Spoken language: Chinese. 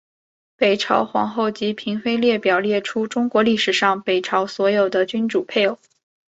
北朝皇后及妃嫔列表列出中国历史上北朝所有的君主配偶。